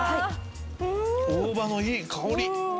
大葉のいい香り！